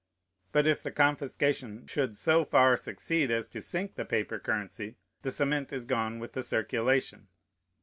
But if the confiscation should so far succeed as to sink the paper currency, the cement is gone with the circulation.